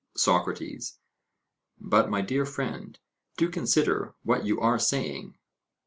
SOCRATES: But, my dear friend, do consider what you are saying.